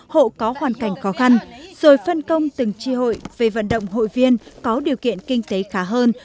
hộ có hoàn cảnh khó khăn rồi phân công từng tri hội về vận động hội viên có điều kiện kinh tế khá hơn